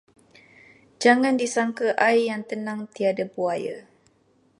Jangan disangka air yang tenang tiada buaya.